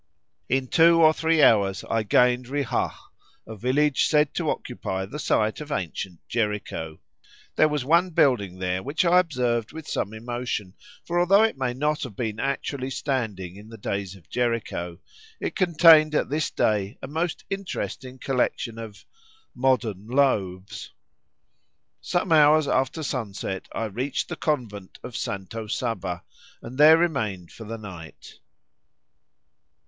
In two or three hours I gained Rihah, a village said to occupy the site of ancient Jericho. There was one building there which I observed with some emotion, for although it may not have been actually standing in the days of Jericho, it contained at this day a most interesting collection of—modern loaves. Some hours after sunset I reached the convent of Santa Saba, and there remained for the night.